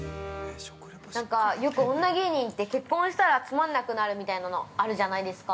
なんか、よく女芸人って結婚したらつまんなくなるみたいなのあるじゃないですか。